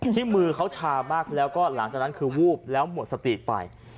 ที่มือเขาชามากแล้วก็หลังจากนั้นคือวูบแล้วหมดสติไป